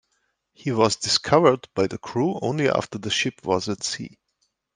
He was discovered by the crew only after the ship was at sea.